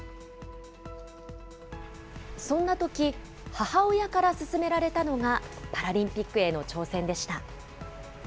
母親から勧められたのが、パラリンピックへの挑戦でした。